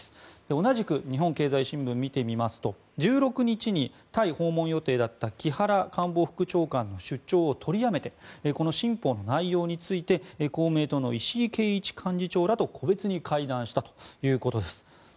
同じく日本経済新聞を見てみますと１６日にタイ訪問予定だった木原官房副長官の出張を取りやめて新法の内容について公明党の石井啓一幹事長らと個別に会談したということです。